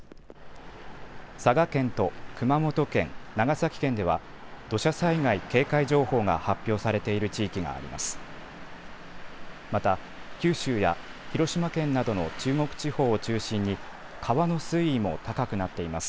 佐賀県と熊本県、長崎県では土砂災害警戒情報が発表されている地域があります。